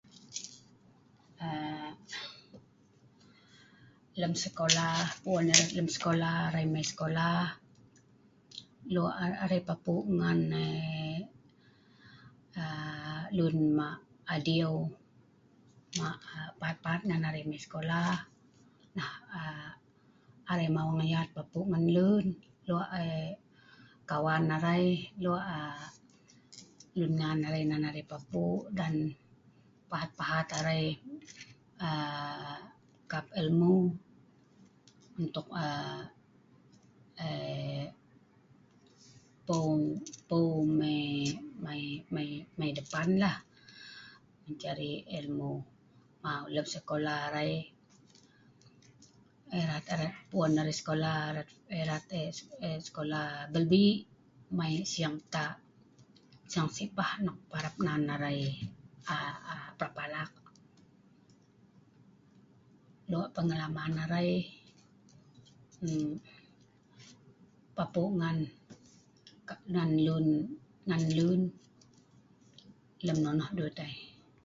Lem sekolah, puun erat arai sekolah, arai mai sekolah, lok arai papu ngan lun mak adiu mak pahat-pahat arai mai sekolah. Mawang yat arai papu ngan lun, lok kawan(toyang) arai, lok lun ngan arai nan arai papu. Pahat-pahat arai kap ilmu(ileh) untuk(nan) peu'u mai depan(lakton). Cari(kap) ilmu(ielh) lem sekolah, arai erat sekolah beli siing belta',siing si pah nok nan arai parab alak. Lok pengalaman arai papu ngan lun lem nonoh dut ai